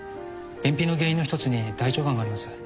便秘の原因の一つに大腸がんがあります。